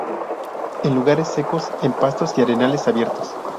En lugares secos, en pastos y en arenales abiertos.